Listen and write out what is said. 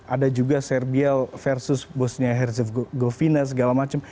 ada juga serbiel versus bosnia herzegovina segala macam